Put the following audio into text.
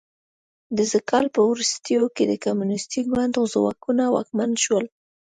د ز کال په وروستیو کې د کمونیستي ګوند ځواکونه واکمن شول.